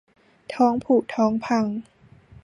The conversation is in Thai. ท้องผุท้องพัง